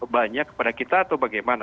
banyak kepada kita atau bagaimana